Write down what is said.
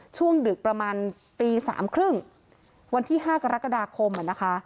ดึกประมาณตี๓๓๐วันที่๕กรกฎาคมนะคะ